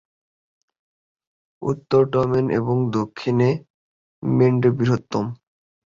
উত্তরে টেমেন এবং দক্ষিণে মেন্ডে বৃহত্তম।